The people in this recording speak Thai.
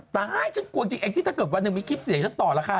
ตายคือกว่าจริงอิอิถ้าเกิดวันหนึ่งมีคลิปเสียงชั้นต่อแล้วค่ะ